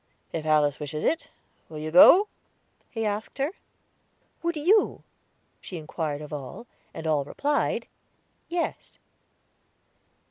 "If Alice wishes it. Will you go?" he asked her. "Would you?" she inquired of all, and all replied, "Yes."